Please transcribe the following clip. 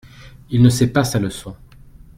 Il ne sait pas sa leçon.